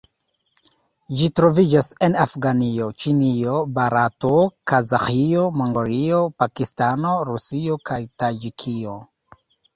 Ĝi troviĝas en Afganio, Ĉinio, Barato, Kazaĥio, Mongolio, Pakistano, Rusio kaj Taĝikio.